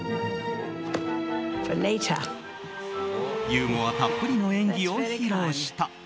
ユーモアたっぷりの演技を披露した。